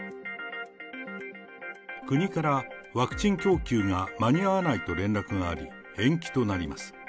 国からワクチン供給が間に合わないと連絡があり、延期となります。